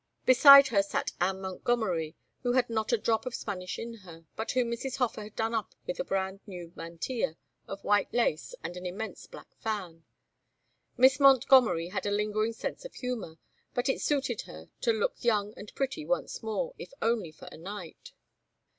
Beside her sat Anne Montgomery who had not a drop of Spanish in her, but whom Mrs. Hofer had done up with a brand new mantilla of white lace and an immense black fan. Miss Montgomery had a lingering sense of humor, but it suited her to look young and pretty once more, if only for a night.